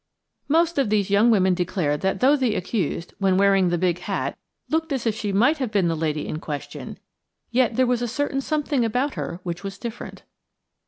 Most of these young women declared that though the accused, when wearing the big hat, looked as if she might have been the lady in question, yet there was a certain something about her which was different.